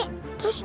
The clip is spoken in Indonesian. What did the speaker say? terus cepet banget